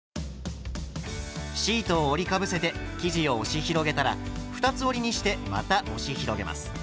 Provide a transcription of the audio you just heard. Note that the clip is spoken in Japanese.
シートを折りかぶせて生地を押し広げたら二つ折りにしてまた押し広げます。